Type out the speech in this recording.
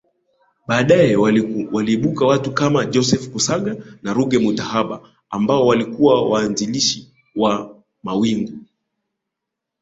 Baadae waliibuka watu Kama Joseph kusaga na Ruge Mutahaba ambao walikuwa waanzilishi wa mawingu